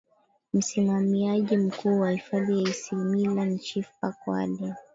msimamiaji mkuu wa hifadhi ya isimila ni chief park Warden